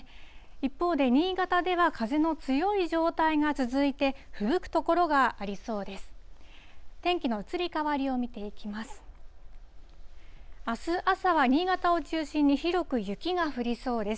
一方で、新潟では風の強い状態が続いて、ふぶく所がありそうです。